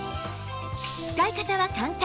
使い方は簡単